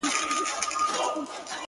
خير دی، زه داسي یم، چي داسي نه وم.